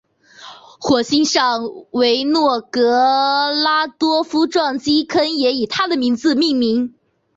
火星上的维诺格拉多夫撞击坑也以他的名字命名。